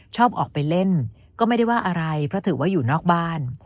ชอบออกไปเล่นก็ไม่ได้ว่าอะไรเพราะถือว่าอยู่นอกบ้าน